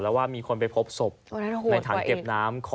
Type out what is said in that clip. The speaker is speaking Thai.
แล้วว่ามีคนไปพบศพในถังเก็บน้ำ